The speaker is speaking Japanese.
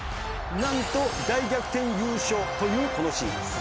なんと大逆転優勝というこのシーンです。